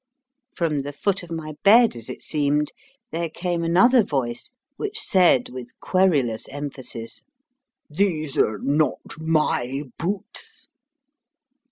From the foot of my bed, as it seemed, there came another voice which said, with querulous emphasis, "These are not my boots."